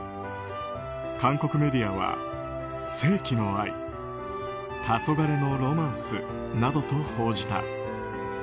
韓国メディアは、世紀の愛たそがれのロマンスなどと報じた。